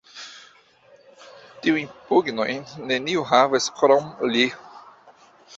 Tiajn pugnojn neniu havas, krom li!